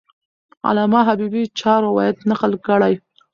علامه حبیبي چا روایت نقل کړی؟